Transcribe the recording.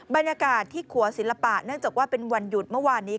บรรยากาศที่ขัวศิลปะเนื่องจากว่าเป็นวันหยุดเมื่อวานนี้